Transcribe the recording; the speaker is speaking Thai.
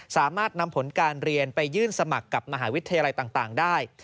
สามารถนำผลการเรียนไปยื่นสมัครกับมหาวิทยาลัยต่างได้